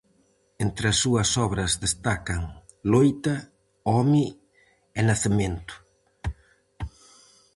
Entre as súas obras destacan "Loita", "Home" e "Nacemento".